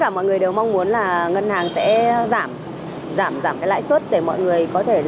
tất cả mọi người đều mong muốn là ngân hàng sẽ giảm giảm cái lãi suất để mọi người có thể sử dụng